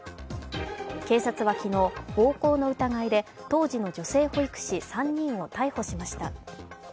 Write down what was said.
警察は昨日、暴行の疑いで当時の女性保育士３人を逮捕しました。